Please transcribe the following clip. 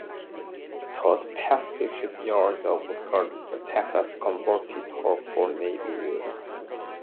Todd Pacific Shipyards of Galveston, Texas converted her for Navy use.